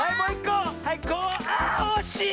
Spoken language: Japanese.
あおしい！